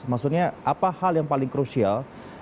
maksudnya apa hal yang paling krusial